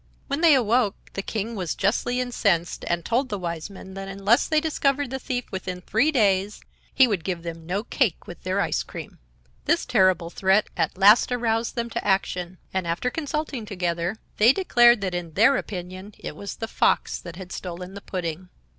When they awoke the King was justly incensed, and told the Wise Men that unless they discovered the thief within three days he would give them no cake with their ice cream. This terrible threat at last aroused them to action, and, after consulting together, they declared that in their opinion it was the Fox that had stolen the pudding.